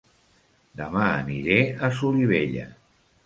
Dema aniré a Solivella